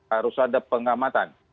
harus ada pengamatan